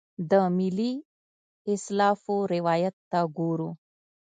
د ملي اسلافو روایت ته ګورو.